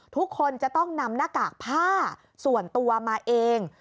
ทุกคนจะต้องนำหน้ากากผ้าส่วนตัวมาเอง